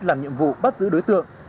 làm nhiệm vụ bắt giữ đối tượng